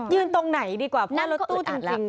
ตรงไหนดีกว่าเพราะหน้ารถตู้จริง